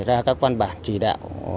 ra các văn bản chỉ đạo